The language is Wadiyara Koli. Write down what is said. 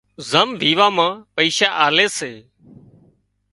زم ويوان مان پئيشا آلي سي